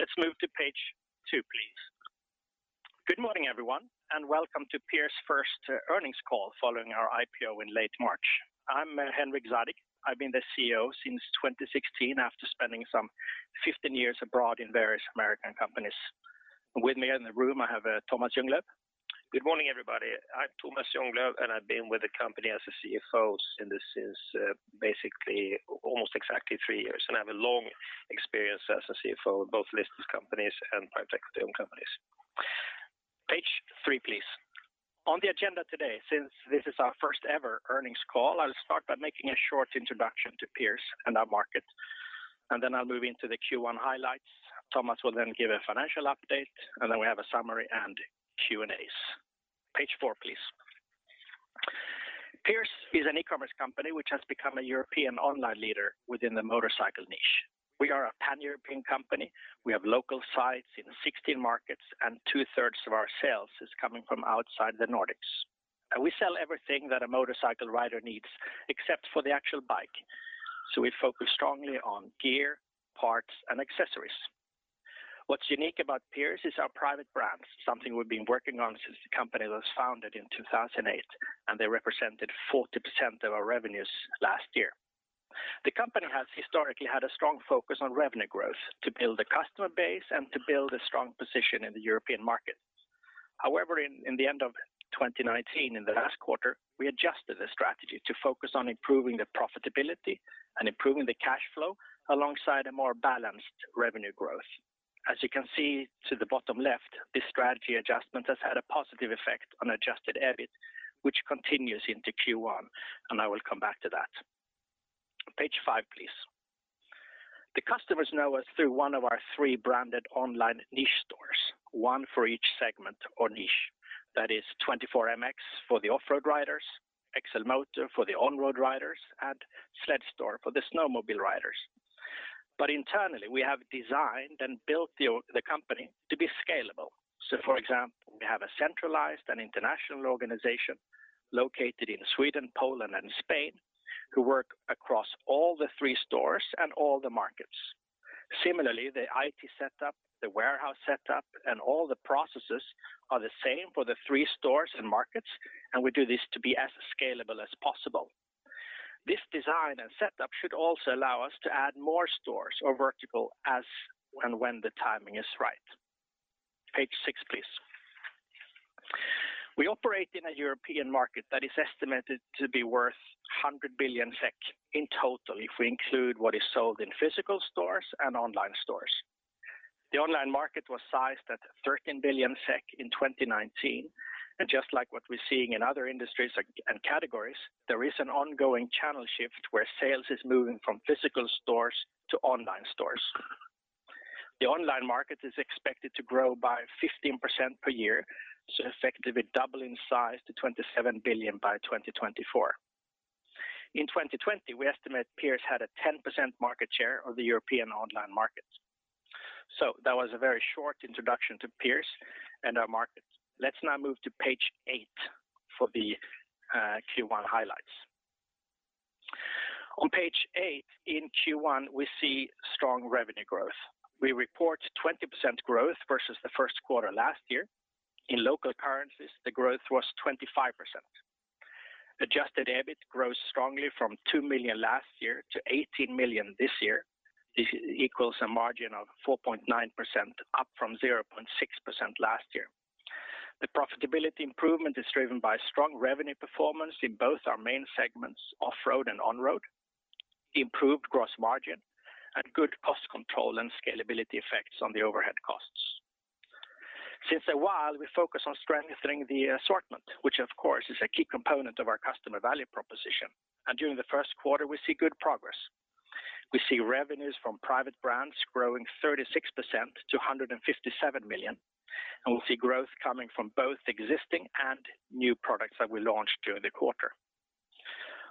Let's move to page two, please. Good morning, everyone, and welcome to Pierce's first earnings call following our IPO in late March. I'm Henrik Zadig. I've been the CEO since 2016 after spending some 15 years abroad in various American companies. With me in the room, I have Tomas Ljunglöf. Good morning, everybody. I'm Tomas Ljunglöf. I've been with the company as a CFO since basically almost exactly three years. I have a long experience as a CFO, both listed companies and private companies. Page three, please. On the agenda today, since this is our first ever earnings call, I'll start by making a short introduction to Pierce and our market, then I'll move into the Q1 highlights. Tomas will then give a financial update, and then we have a summary and Q&As. Page four, please. Pierce is an e-commerce company which has become a European online leader within the motorcycle niche. We are a pan-European company. We have local sites in 16 markets, and two-thirds of our sales is coming from outside the Nordics. We sell everything that a motorcycle rider needs except for the actual bike. We focus strongly on gear, parts, and accessories. What's unique about Pierce is our private brands, something we've been working on since the company was founded in 2008, and they represented 40% of our revenues last year. The company has historically had a strong focus on revenue growth to build a customer base and to build a strong position in the European market. In the end of 2019, in the last quarter, we adjusted the strategy to focus on improving the profitability and improving the cash flow alongside a more balanced revenue growth. As you can see to the bottom left, this strategy adjustment has had a positive effect on adjusted EBIT, which continues into Q1, and I will come back to that. Page five, please. The customers know us through one of our three branded online niche stores, one for each segment or niche. That is 24MX for the off-road riders, XLMOTO for the on-road riders, and Sledstore for the snowmobile riders. But internally, we have designed and built the company to be scalable. For example, we have a centralized and international organization located in Sweden, Poland, and Spain, who work across all the three stores and all the markets. Similarly, the IT setup, the warehouse setup, and all the processes are the same for the three stores and markets, and we do this to be as scalable as possible. This design and setup should also allow us to add more stores or vertical as and when the timing is right. Page six, please. We operate in a European market that is estimated to be worth 100 billion SEK in total if we include what is sold in physical stores and online stores. The online market was sized at 13 billion SEK in 2019, and just like what we're seeing in other industries and categories, there is an ongoing channel shift where sales is moving from physical stores to online stores. The online market is expected to grow by 15% per year, effectively doubling size to 27 billion by 2024. In 2020, we estimate Pierce had a 10% market share of the European online market. That was a very short introduction to Pierce and our market. Let's now move to page eight for the Q1 highlights. On page eight, in Q1, we see strong revenue growth. We report 20% growth versus the first quarter last year. In local currencies, the growth was 25%. Adjusted EBIT grows strongly from 2 million last year to 18 million this year. This equals a margin of 4.9%, up from 0.6% last year. The profitability improvement is driven by strong revenue performance in both our main segments, off-road and on-road, improved gross margin, and good cost control and scalability effects on the overhead costs. Since a while, we focus on strengthening the assortment, which of course is a key component of our customer value proposition, and during the first quarter, we see good progress. We see revenues from private brands growing 36% to 157 million, and we see growth coming from both existing and new products that we launched during the quarter.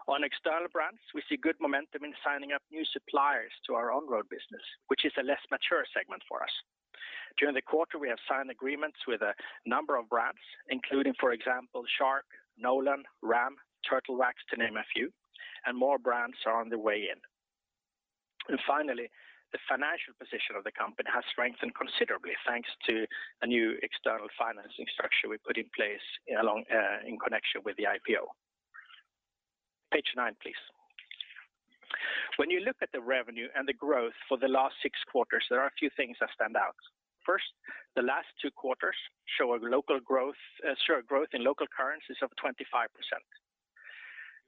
On external brands, we see good momentum in signing up new suppliers to our on-road business, which is a less mature segment for us. During the quarter, we have signed agreements with a number of brands, including, for example, Shark, Nolan, RAM Mounts, Turtle Wax, to name a few, and more brands are on the way in. Finally, the financial position of the company has strengthened considerably, thanks to a new external financing structure we put in place in connection with the IPO. Page nine, please. When you look at the revenue and the growth for the last six quarters, there are a few things that stand out. First, the last two quarters show growth in local currencies of 25%.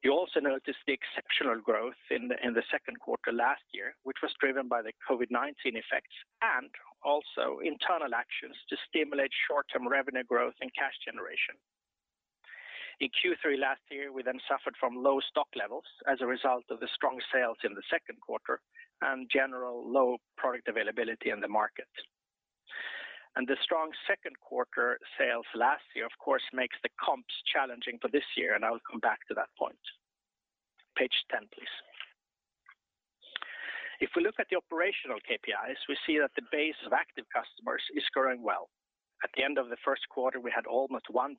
You also notice the exceptional growth in the second quarter last year, which was driven by the COVID-19 effects and also internal actions to stimulate short-term revenue growth and cash generation. In Q3 last year, we suffered from low stock levels as a result of the strong sales in the second quarter and general low product availability in the market. The strong second quarter sales last year, of course, makes the comps challenging for this year, and I will come back to that point. Page 10, please. If we look at the operational KPIs, we see that the base of active customers is growing well. At the end of the first quarter, we had almost 1.2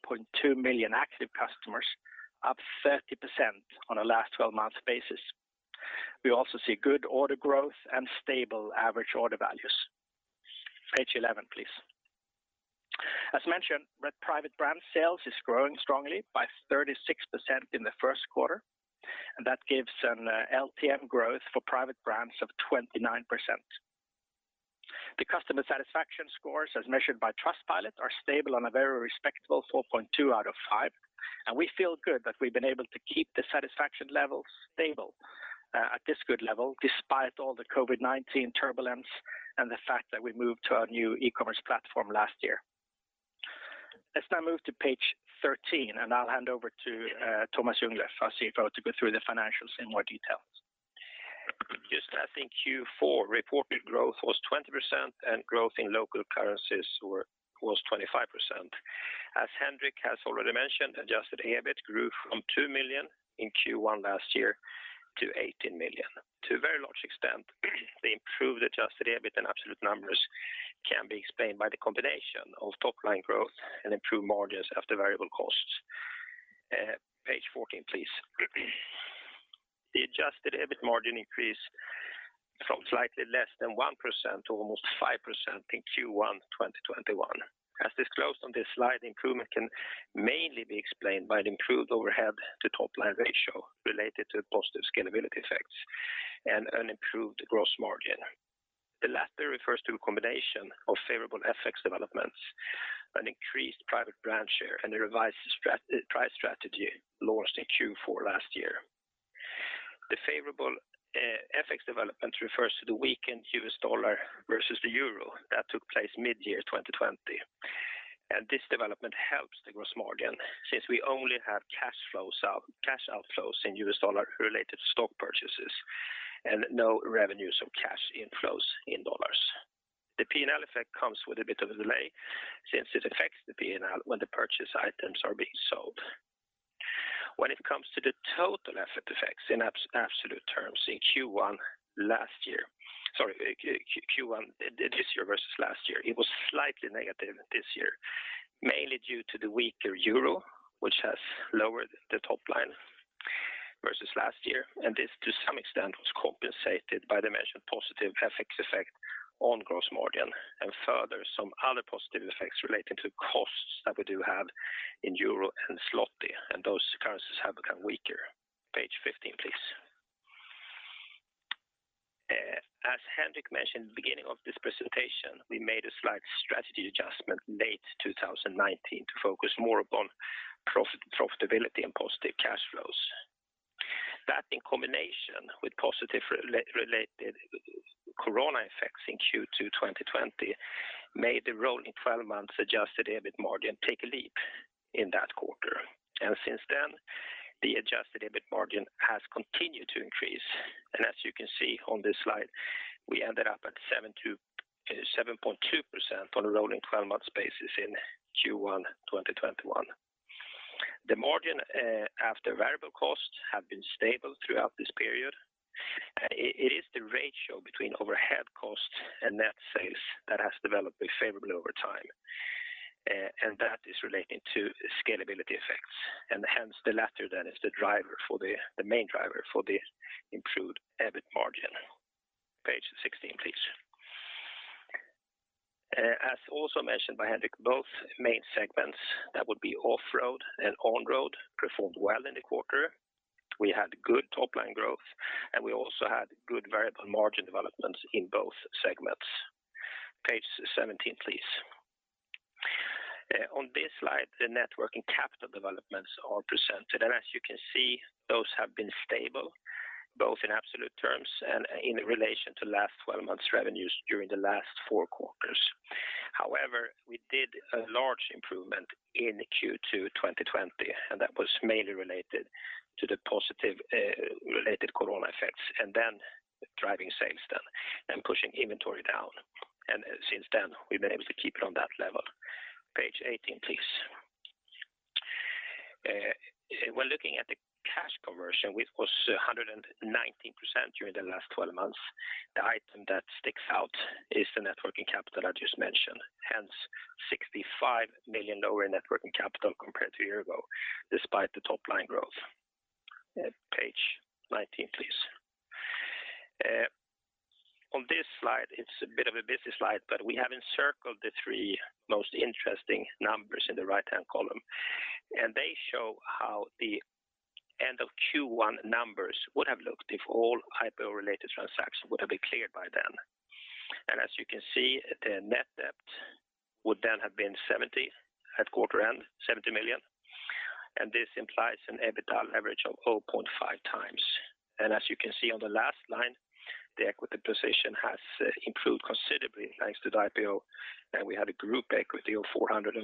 million active customers, up 30% on a last 12 months basis. We also see good order growth and stable average order values. Page 11, please. As mentioned, private brand sales is growing strongly by 36% in the first quarter. That gives an LTM growth for private brands of 29%. The customer satisfaction scores as measured by Trustpilot are stable on a very respectable 4.2 out of five. We feel good that we've been able to keep the satisfaction level stable at this good level despite all the COVID-19 turbulence and the fact that we moved to our new e-commerce platform last year. Let's now move to page 13 and I'll hand over to Tomas Ljunglöf, our CFO, to go through the financials in more detail. Just as in Q4, reported growth was 20% and growth in local currencies was 25%. As Henrik has already mentioned, adjusted EBIT grew from 2 million in Q1 last year to 18 million. To a very large extent, the improved adjusted EBIT and absolute numbers can be explained by the combination of top line growth and improved margins after variable costs. Page 14, please. The adjusted EBIT margin increased from slightly less than 1% to almost 5% in Q1 2021. As disclosed on this slide, improvement can mainly be explained by the improved overhead to top line ratio related to positive scalability effects and an improved gross margin. The latter refers to a combination of favorable FX developments, an increased private brand share, and a revised price strategy launched in Q4 last year. The favorable FX development refers to the weakened US dollar versus the euro that took place mid-year 2020. This development helps the gross margin since we only have cash outflows in US dollar related stock purchases and no revenues or cash inflows in dollars. The P&L effect comes with a bit of a delay since it affects the P&L when the purchase items are being sold. When it comes to the total FX effects in absolute terms in Q1 this year versus last year, it was slightly negative this year, mainly due to the weaker euro, which has lowered the top line versus last year, and this to some extent was compensated by the mentioned positive FX effect on gross margin and further, some other positive effects related to costs that we do have in euro and zloty, and those currencies have become weaker. Page 15, please. As Henrik mentioned at the beginning of this presentation, we made a slight strategy adjustment in late 2019 to focus more upon profitability and positive cash flows. That in combination with positive related corona effects in Q2 2020 made the rolling 12 months adjusted EBIT margin take a leap in that quarter. Since then, the adjusted EBIT margin has continued to increase. As you can see on this slide, we ended up at 7.2% for the rolling 12 months basis in Q1 2021. The margin after variable costs have been stable throughout this period. It is the ratio between overhead costs and net sales that has developed favorably over time, that is related to scalability effects, hence the latter then is the main driver for the improved EBIT margin. Page 16, please. As also mentioned by Henrik, both main segments, that would be off-road and on-road, performed well in the quarter. We had good top line growth and we also had good variable margin developments in both segments. Page 17, please. On this slide, the net working capital developments are presented, and as you can see, those have been stable both in absolute terms and in relation to last 12 months revenues during the last four quarters. However, we did a large improvement in Q2 2020, that was mainly related to the positive related corona effects and then driving sales down and pushing inventory down. Since then, we've been able to keep it on that level. Page 18, please. When looking at the cash conversion, which was 119% during the last 12 months, the item that sticks out is the net working capital I just mentioned, hence 65 million lower net working capital compared to a year ago despite the top line growth. Page 19, please. On this slide, it's a bit of a busy slide, but we have encircled the three most interesting numbers in the right-hand column, and they show how the end of Q1 numbers would have looked if all IPO related transactions would have been cleared by then. As you can see, net debt would then have been 70 at quarter end, 70 million, and this implies an EBITDA coverage of 0.5 times. As you can see on the last line, the equity position has improved considerably thanks to the IPO, and we had a group equity of 440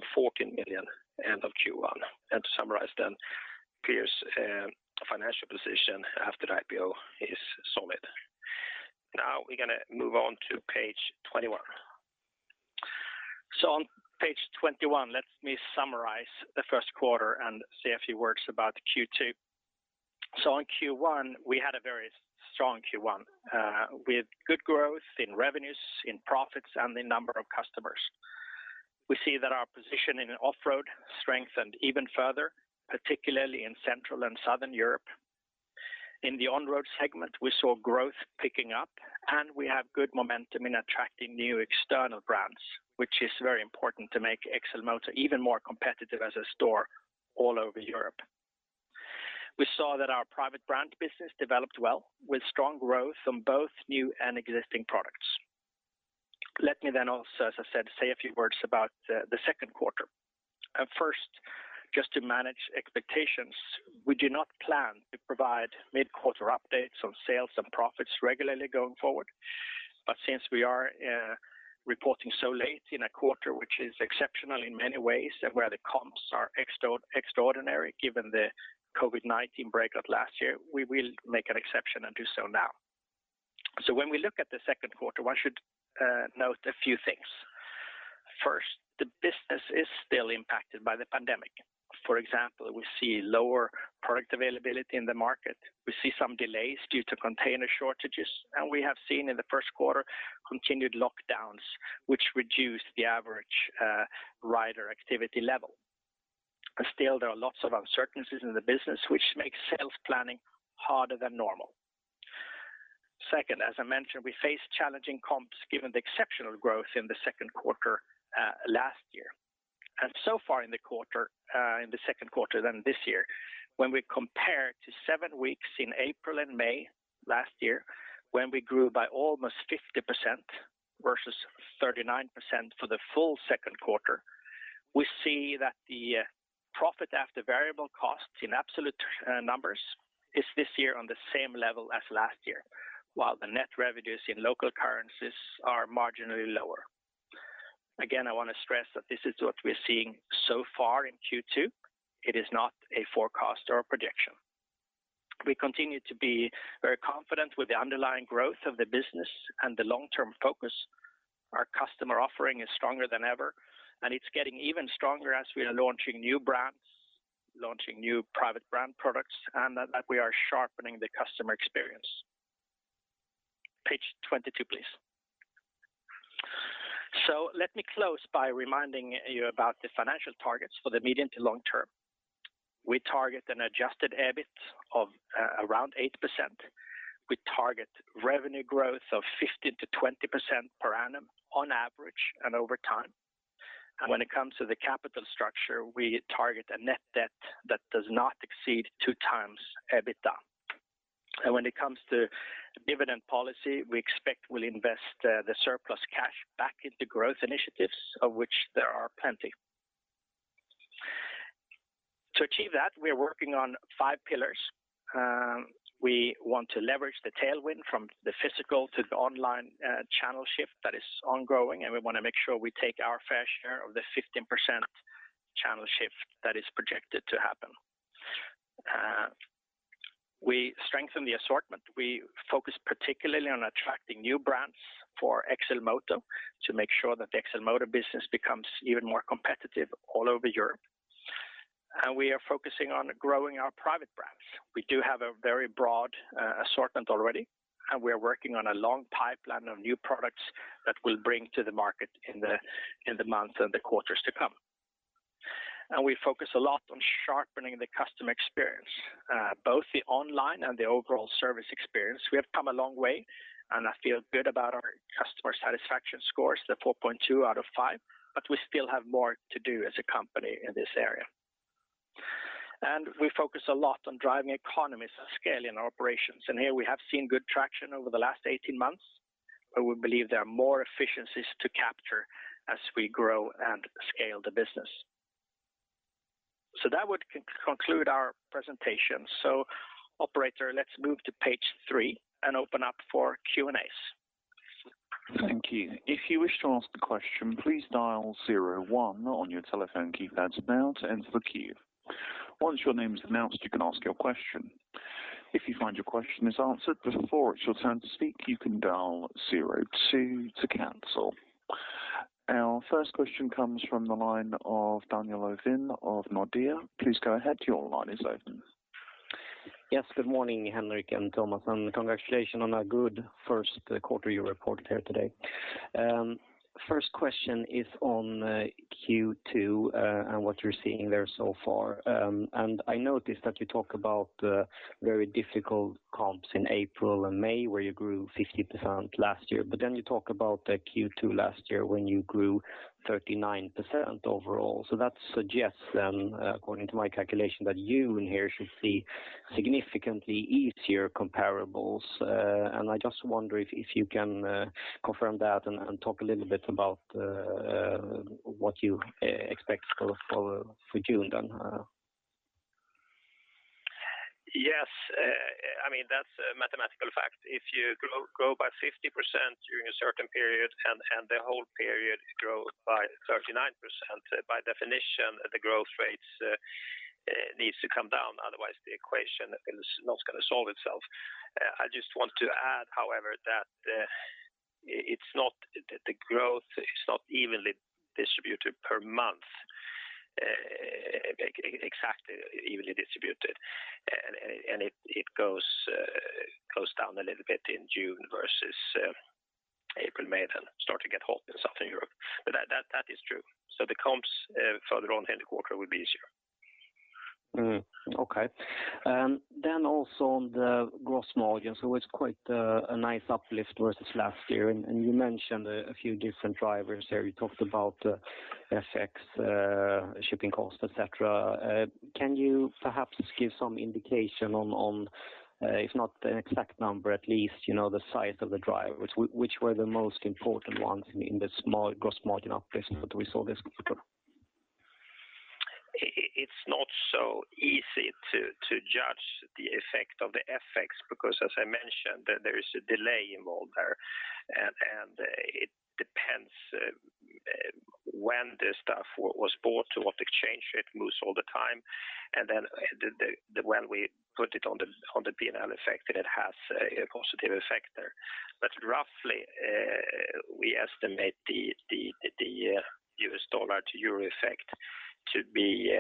million end of Q1. To summarize then, Pierce financial position after the IPO is solid. Now we're going to move on to page 21. On page 21, let me summarize the first quarter and say a few words about the Q2. In Q1, we had a very strong Q1 with good growth in revenues, in profits, and the number of customers. We see that our position in off-road strengthened even further, particularly in Central and Southern Europe. In the on-road segment, we saw growth picking up, and we have good momentum in attracting new external brands, which is very important to make XLMOTO even more competitive as a store all over Europe. We saw that our private brand business developed well, with strong growth from both new and existing products. Let me then also, as I said, say a few words about the second quarter. First, just to manage expectations, we do not plan to provide mid-quarter updates on sales and profits regularly going forward. Since we are reporting so late in a quarter, which is exceptional in many ways and where the comps are extraordinary given the COVID-19 breakout last year, we will make an exception and do so now. When we look at the second quarter, one should note a few things. First, the business is still impacted by the pandemic. For example, we see lower product availability in the market. We see some delays due to container shortages, and we have seen in the first quarter continued lockdowns, which reduce the average rider activity level. Still, there are lots of uncertainties in the business, which makes sales planning harder than normal. Second, as I mentioned, we face challenging comps given the exceptional growth in the second quarter last year. So far in the second quarter this year, when we compare to seven weeks in April and May last year, when we grew by almost 50% versus 39% for the full second quarter, we see that the profit after variable costs in absolute numbers is this year on the same level as last year, while the net revenues in local currencies are marginally lower. Again, I want to stress that this is what we're seeing so far in Q2. It is not a forecast or a projection. We continue to be very confident with the underlying growth of the business and the long-term focus. Our customer offering is stronger than ever, and it's getting even stronger as we are launching new brands, launching new private brand products, and that we are sharpening the customer experience. Page 22, please. Let me close by reminding you about the financial targets for the medium to long term. We target an adjusted EBIT of around 8%. We target revenue growth of 15%-20% per annum on average and over time. When it comes to the capital structure, we target a net debt that does not exceed 2 times EBITDA. When it comes to dividend policy, we expect we'll invest the surplus cash back into growth initiatives, of which there are plenty. To achieve that, we are working on five pillars. We want to leverage the tailwind from the physical to the online channel shift that is ongoing, and we want to make sure we take our fair share of the 15% channel shift that is projected to happen. We strengthen the assortment. We focus particularly on attracting new brands for XLMOTO to make sure that the XLMOTO business becomes even more competitive all over Europe. We are focusing on growing our private brands. We do have a very broad assortment already, and we are working on a long pipeline of new products that we'll bring to the market in the months and the quarters to come. We focus a lot on sharpening the customer experience, both the online and the overall service experience. We have come a long way, and I feel good about our customer satisfaction scores, the 4.2 out of 5, but we still have more to do as a company in this area. We focus a lot on driving economies of scale in operations. Here we have seen good traction over the last 18 months, but we believe there are more efficiencies to capture as we grow and scale the business. That would conclude our presentation. Operator, let's move to page three and open up for Q&As. Thank you. Our first question comes from the line of Daniel Ovin of Nordea. Please go ahead, your line is open. Yes, good morning, Henrik and Tomas, congratulations on a good first quarter you reported here today. First question is on Q2 and what you're seeing there so far. I noticed that you talk about very difficult comps in April and May, where you grew 50% last year, you talk about the Q2 last year when you grew 39% overall. That suggests then, according to my calculation, that June here should see significantly easier comparables. I just wonder if you can confirm that and talk a little bit about what you expect for June then. Yes. That's a mathematical fact. If you grow by 50% during a certain period and the whole period grows by 39%, by definition, the growth rate needs to come down, otherwise the equation is not going to solve itself. I just want to add, however, that the growth is not evenly distributed per month. Exactly, evenly distributed. It goes down a little bit in June versus April, May, then starting to get hot in Southern Europe. That is true. The comps further on in the quarter will be easier. Okay. Also on the gross margins, it was quite a nice uplift versus last year, and you mentioned a few different drivers there. You talked about FX, shipping costs, et cetera. Can you perhaps just give some indication on, if not the exact number, at least the size of the drivers? Which were the most important ones in the gross margin uplift that we saw this quarter? It's not so easy to judge the effect of the FX because, as I mentioned, there is a delay involved there, and it depends when this stuff was bought, to what exchange rate moves all the time. When we put it on the P&L effect, it has a positive effect there. Roughly, we estimate the US dollar to euro effect to be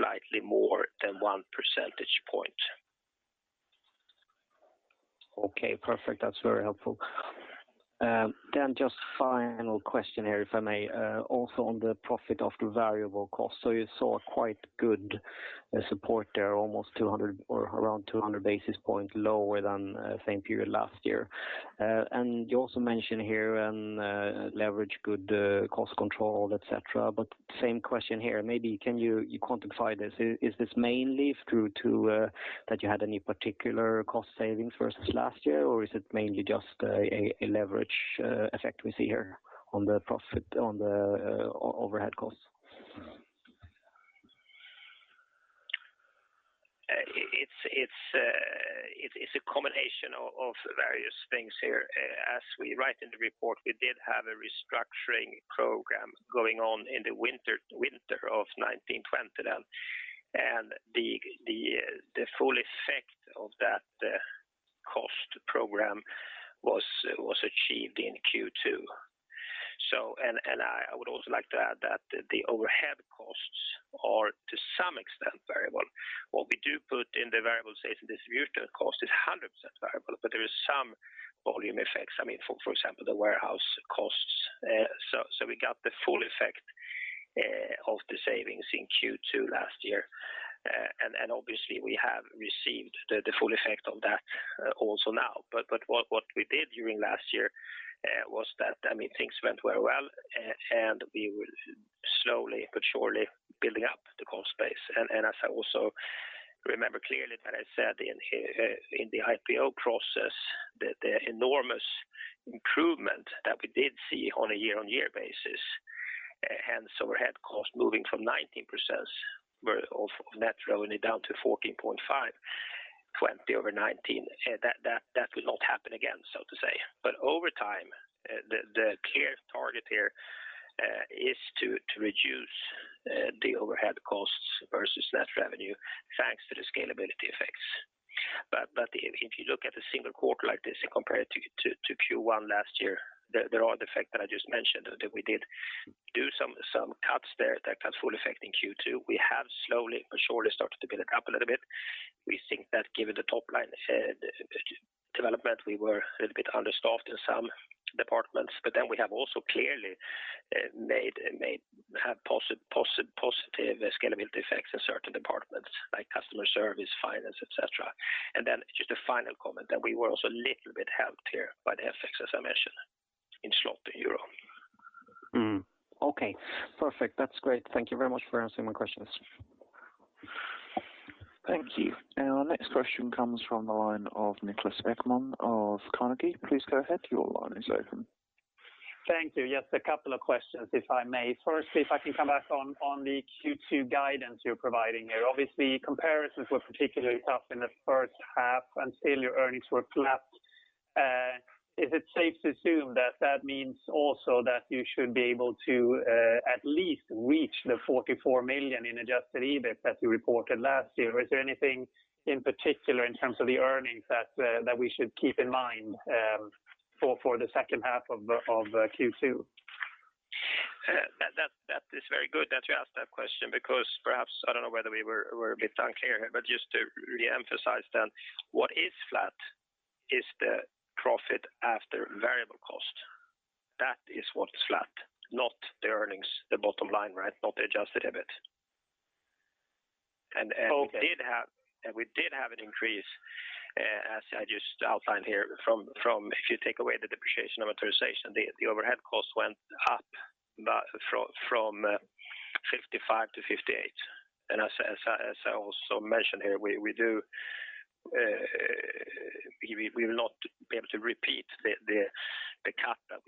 slightly more than 1 percentage point. Okay, perfect. That's very helpful. Just final question here, if I may. Also, on the profit after variable cost, you saw quite good support there, almost 200 or around 200 basis points lower than same period last year. You also mentioned here leverage, good cost control, et cetera. Same question here. Maybe can you quantify this? Is this mainly through to that you had any particular cost savings versus last year, or is it mainly just a leverage effect we see here on the profit on the overhead costs? It's a combination of various things here. As we write in the report, we did have a restructuring program going on in the winter of 2019/2020, and the full effect of that cost program was achieved in Q2. I would also like to add that the overhead costs are to some extent variable. What we do put in the variable, say, to distribute that cost is 100% variable, but there is some volume effects, I mean, for example, the warehouse costs. We got the full effect of the savings in Q2 last year, and obviously, we have received the full effect of that also now. What we did during last year was that things went very well, and we were slowly but surely building up the cost base. As I also remember clearly that I said in the IPO process that the enormous improvement that we did see on a year-on-year basis, so overhead costs moving from 19% of net revenue down to 14.5% 2020 over 2019, that will not happen again, so to say. Over time, the target here is to reduce the overhead costs versus net revenue, thanks to the scalability effects. If you look at a single quarter like this and compare it to Q1 last year, there are the effects that I just mentioned, that we did do some cuts there that had full effect in Q2. We have slowly but surely started to build it up a little bit. We think that given the top line development, we were a little bit understaffed in some departments. We have also clearly made positive scalability effects in certain departments, like customer service, finance, et cetera. Just a final comment, that we were also a little bit helped here by the effects, as I mentioned, in zloty to euro. Okay, perfect. That's great. Thank you very much for answering my questions. Thank you. Our next question comes from the line of Niklas Ekman of Carnegie. Please go ahead. Your line is open. Thank you. Just a couple of questions, if I may. First, if I can come back on the Q2 guidance you're providing there. Obviously, comparisons were particularly tough in the first half, and sales earnings were flat. Is it safe to assume that that means also that you should be able to at least reach the 44 million in adjusted EBIT that you reported last year? Is there anything in particular in terms of the earnings that we should keep in mind for the second half of Q2? That is very good that you asked that question because perhaps, I don't know whether we were a bit unclear here, but just to reemphasize that what is flat is the profit after variable cost. That is what's flat, not the earnings, the bottom line, not the adjusted EBIT. Okay. We did have an increase, as I just outlined here. If you take away the depreciation and amortization, the overhead cost went up from 55 to 58. As I also mentioned here, we will not be able to repeat the cut that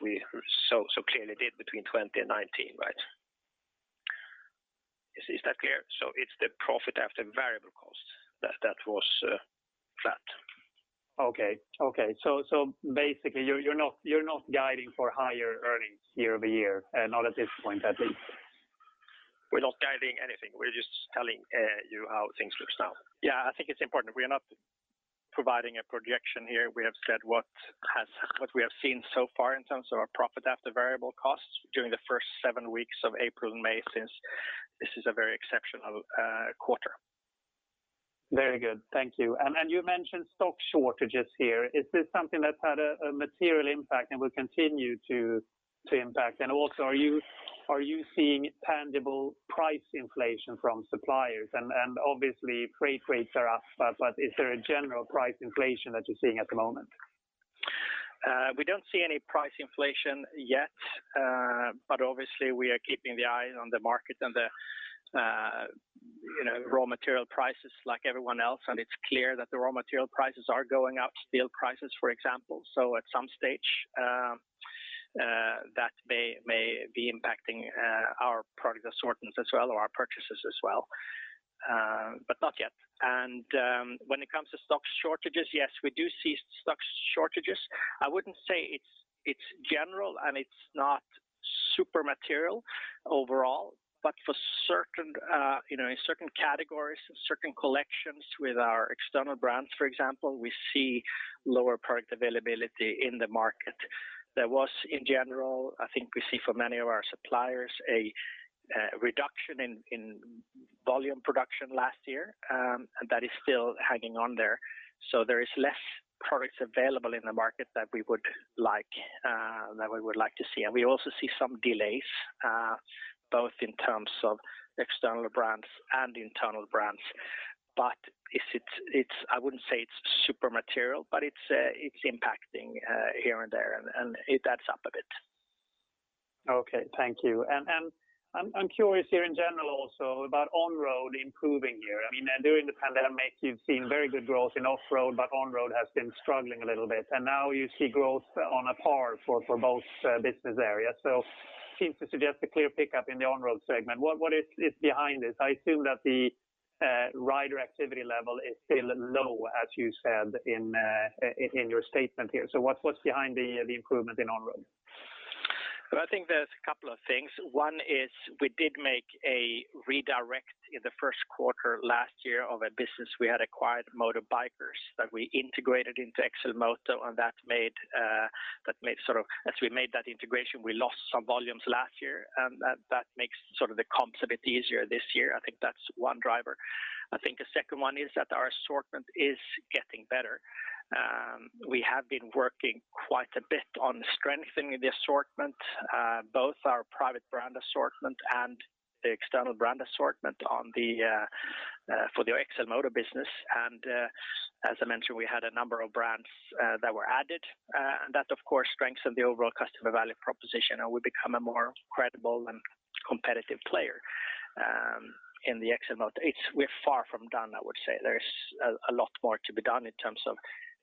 we so clearly did between 2020 and 2019. Is that clear? It's the profit after variable cost that was flat. Okay. Basically, you're not guiding for higher earnings year-over-year, not at this point, I think. We're not guiding anything. We're just telling you how things look now. Yeah, I think it's important. Providing a projection here, we have shared what we have seen so far in terms of our profit after variable costs during the first seven weeks of April and May, since this is a very exceptional quarter. Very good. Thank you. You mentioned stock shortages here. Is this something that's had a material impact and will continue to impact? Are you seeing tangible price inflation from suppliers? Freight rates are up, but is there a general price inflation that you're seeing at the moment? We don't see any price inflation yet. Obviously we are keeping the eye on the market and the raw material prices like everyone else, and it's clear that the raw material prices are going up, steel prices, for example. At some stage, that may be impacting our product assortments as well, or our purchases as well. Not yet. When it comes to stock shortages, yes, we do see stock shortages. I wouldn't say it's general, and it's not super material overall. In certain categories, certain collections with our external brands, for example, we see lower product availability in the market. There was, in general, I think we see from many of our suppliers a reduction in volume production last year, and that is still hanging on there. There is less product available in the market than we would like to see. We also see some delays, both in terms of external brands and internal brands. I wouldn't say it's super material, but it's impacting here and there and it adds up a bit. Okay. Thank you. I'm curious here in general also about on-road improving here. During the pandemic, you've seen very good growth in off-road, but on-road has been struggling a little bit, and now you see growth on a par for both business areas. It seems to suggest a clear pickup in the on-road segment. What is behind this? I assume that the rider activity level is still low, as you said in your statement here. What's behind the improvement in on-road? Well, I think there's a couple of things. One is we did make a redirect in the first quarter last year of a business we had acquired, Motobuykers, that we integrated into XLMOTO and as we made that integration, we lost some volumes last year. That makes the comp a bit easier this year. I think that's one driver. I think the second one is that our assortment is getting better. We have been working quite a bit on strengthening the assortment, both our private brand assortment and the external brand assortment for the XLMOTO business. As I mentioned, we had a number of brands that were added. That, of course, strengthened the overall customer value proposition, and we become a more credible and competitive player in the XLMOTO. We're far from done, I would say. There's a lot more to be done in terms of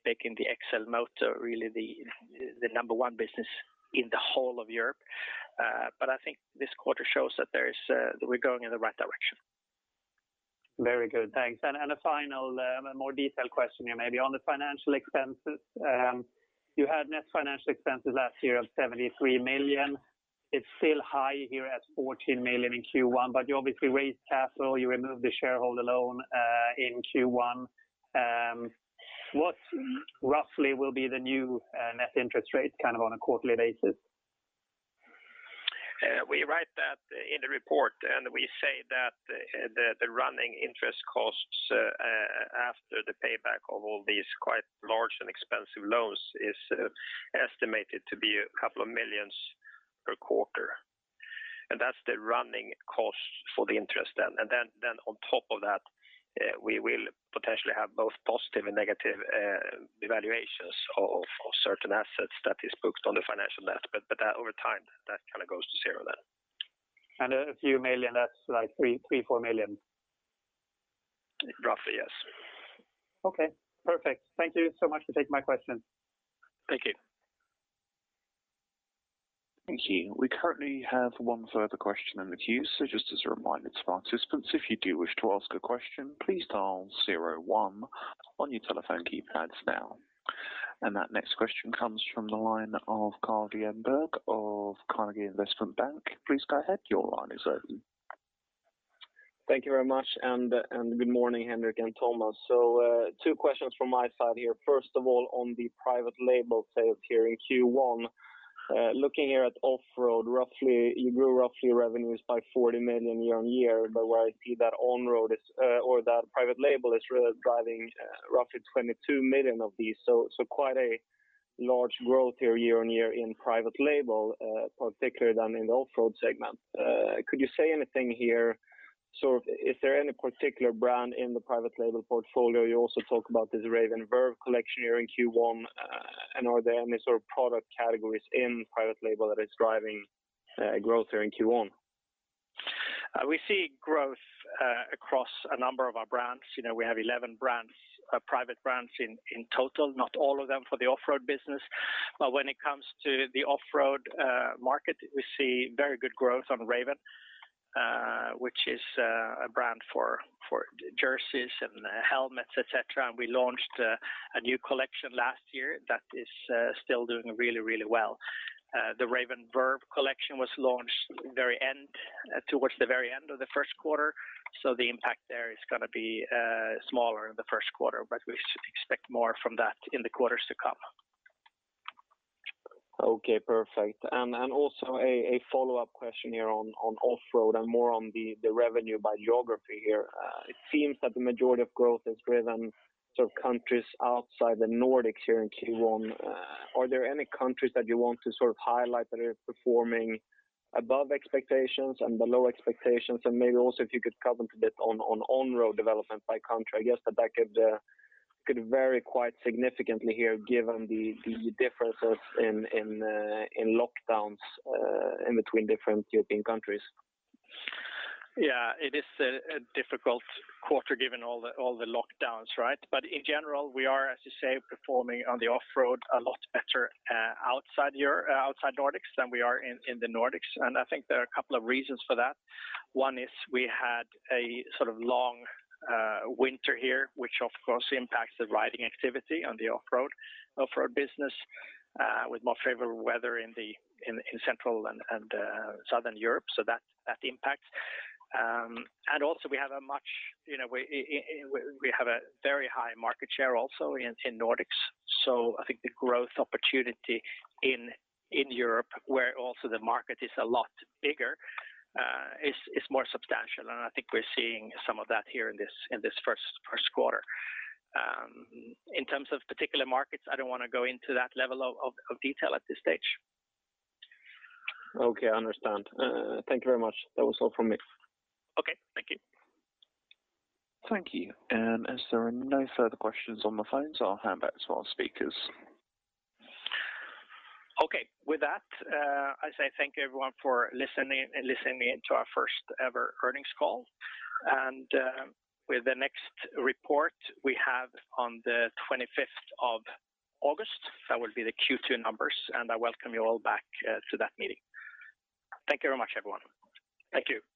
making the XLMOTO really the number one business in the whole of Europe. I think this quarter shows that we're going in the right direction. Very good. Thanks. A final, a more detailed question here maybe on the financial expenses. You had net financial expenses last year of 73 million. It's still high here at 14 million in Q1, but you obviously raised capital. You removed the shareholder loan in Q1. What roughly will be the new net interest rate kind of on a quarterly basis? We write that in the report, and we say that the running interest costs after the payback of all these quite large and expensive loans is estimated to be a couple of million per quarter. That's the running cost for the interest then. On top of that, we will potentially have both positive and negative evaluations of certain assets that is booked on the financial debt. Over time, that kind of goes to zero then. A few million, that's like 3, 4 million? Roughly, yes. Okay, perfect. Thank you so much for taking my questions. Thank you. Thank you. We currently have one further question in the queue. Just as a reminder to participants, if you do wish to ask a question, please dial 01 on your telephone keypads now. That next question comes from the line of Carl-Johan Svanvik of Carnegie Investment Bank. Please go ahead. Your line is open. Thank you very much, good morning, Henrik and Tomas. Two questions from my side here. First of all, on the private label sales here in Q1. Looking here at off-road, you grew roughly revenues by 40 million year-on-year. I see that private label is really driving roughly 22 million of these. Quite a large growth here year-on-year in private label, particularly down in the off-road segment. Could you say anything here, is there any particular brand in the private label portfolio? You also talked about this Raven collection here in Q1, and are there any sort of product categories in private label that is driving growth here in Q1? We see growth across a number of our brands. We have 11 private brands in total, not all of them for the off-road business. When it comes to the off-road market, we see very good growth on Raven, which is a brand for jerseys and helmets, et cetera. We launched a new collection last year that is still doing really well. The Raven Edge collection was launched towards the very end of the first quarter. The impact there is going to be smaller in the first quarter, but we expect more from that in the quarters to come. Okay, perfect. Also a follow-up question here on off-road and more on the revenue by geography here. It seems that the majority of growth is driven sort of countries outside the Nordic here in Q1. Are there any countries that you want to sort of highlight that are performing above expectations and below expectations? Maybe also if you could comment a bit on on-road development by country. I guess that could vary quite significantly here given the differences in lockdowns in between different European countries. It is a difficult quarter given all the lockdowns, right? In general, we are, as you say, performing on the off-road a lot better outside Nordics than we are in the Nordics. I think there are a couple of reasons for that. One is we had a sort of long winter here, which of course impacted riding activity on the off-road for our business, with more favorable weather in Central and Southern Europe. Also we have a very high market share also in Nordics. I think the growth opportunity in Europe, where also the market is a lot bigger, is more substantial, and I think we're seeing some of that here in this first quarter. In terms of particular markets, I don't want to go into that level of detail at this stage. Okay, I understand. Thank you very much. That was all from me. Okay. Thank you. Thank you. As there are no further questions on the phones, I'll hand back to our speakers. Okay. With that, I say thank you everyone for listening in to our first ever earnings call. With the next report we have on the 25th of August, that will be the Q2 numbers, and I welcome you all back to that meeting. Thank you very much, everyone. Thank you.